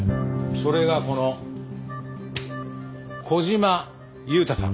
それがこの小島裕太さん。